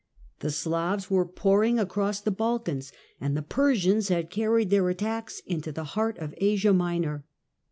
The Slavs were pouring icross the Balkans and the Persians had carried their ittacks into the heart of Asia Minor.